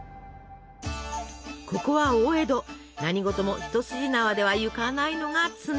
ここは大江戸何事も一筋縄ではいかないのが常。